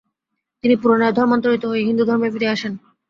তিনি পুনরায় ধর্মান্তরিত হয়ে হিন্দু ধর্মে ফিরে আসেন।